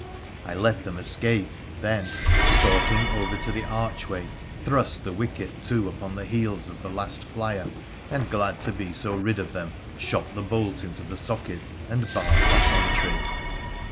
I let them escape, then, stalking over to the archway, thrust the wicket to upon the heels of the last flyer, and glad to be so rid of them, shot the bolt into the socket and barred that entry.